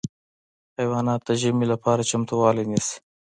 حیوانات د ژمي لپاره چمتووالی نیسي.